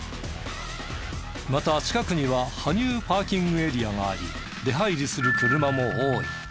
また近くには羽生パーキングエリアがあり出入りする車も多い。